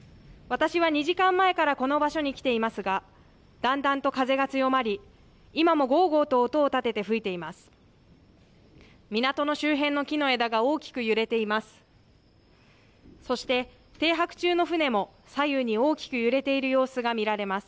私は２時間前からこの場所に来ていますがだんだんと風が強まり今もごうごうと音を立てて吹いています。